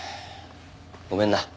ごめんな。